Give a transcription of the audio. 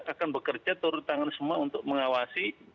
akan bekerja turun tangan semua untuk mengawasi